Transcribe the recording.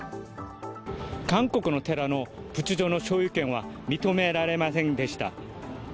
韓国の寺の仏像の所有権は認められませんでした。